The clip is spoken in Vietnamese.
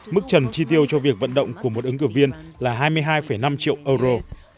mức trần chi tiêu cho việc vận động của một ứng cử viên là hai mươi hai năm triệu euro